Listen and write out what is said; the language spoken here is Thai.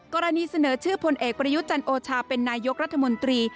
กรณีเสนอชื่อพลเอกประยุทธ์จันโอชาเป็นนายกรัฐมนตรี